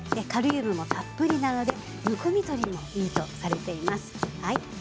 カリウムもたっぷりなのでむくみ取りにもいいとされています。